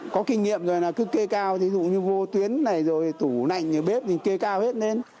có kinh nghiệm rồi cứ kê cao ví dụ như vô tuyến này rồi tủ nạnh như bếp thì kê cao hết lên